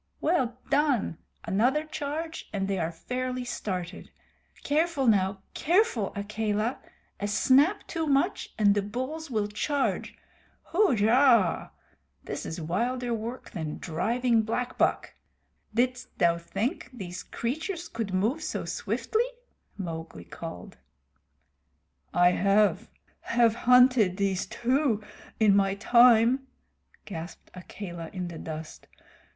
"Well done! Another charge and they are fairly started. Careful, now careful, Akela. A snap too much and the bulls will charge. Hujah! This is wilder work than driving black buck. Didst thou think these creatures could move so swiftly?" Mowgli called. "I have have hunted these too in my time," gasped Akela in the dust.